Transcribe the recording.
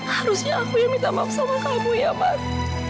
harusnya aku yang minta maaf sama kamu ya mas